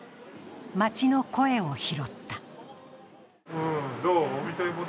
街の声を拾った。